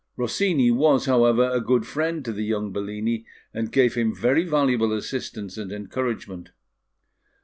Rossini was, however, a good friend to the young Bellini, and gave him very valuable assistance and encouragement.